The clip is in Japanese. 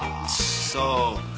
そう。